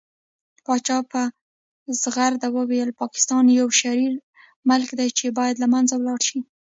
پاچا په ځغرده وويل پاکستان يو شرير ملک دى بايد له منځه ولاړ شي .